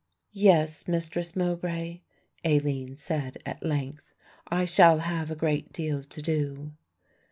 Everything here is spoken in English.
"Yes, Mistress Mowbray," Aline said at length, "I shall have a great deal to do."